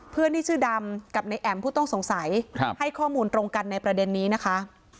เพื่อนที่ชื่อดำกับในแอ๋มผู้ต้องสงสัยให้ข้อมูลตรงกันในประเด็นนี้นะคะ